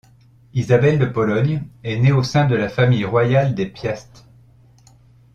Élisabeth de Pologne est née au sein de la famille royale des Piast.